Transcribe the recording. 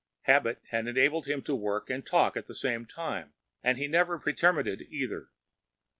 Habit had enabled him to work and talk at the same time, and he never pretermitted either.